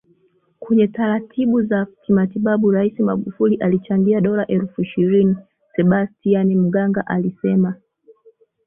kwenye taratibu za kimatibabu Rais Magufuli alichangia dola elfu ishirini Sebastian Maganga alisema